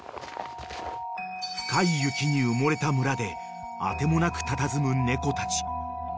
［深い雪に埋もれた村で当てもなくたたずむ猫たち］